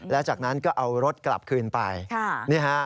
แล้วจากนั้นก็เอารถกลับคืนไป